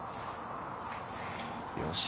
よし。